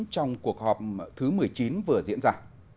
trong cuộc họp thứ một mươi chín vừa diễn ra